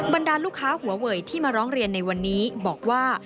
บรรดาลูกค้าหัวเวยที่มาร้องเรียนในวันนี้บอกว่า